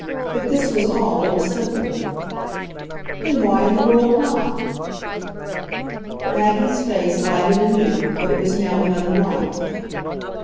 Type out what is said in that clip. If this was all it was simple. "Then why in the world not?" Maggie's face lighted anew, but it was now another light.